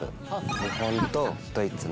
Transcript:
日本とドイツの。